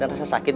dia merasa sakit